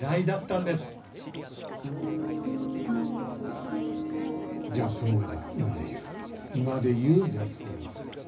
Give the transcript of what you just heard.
今で言うギャップ萌え。